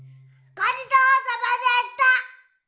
ごちそうさまでした！